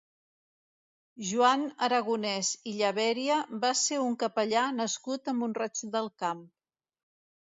Joan Aragonès i Llaberia va ser un capellà nascut a Mont-roig del Camp.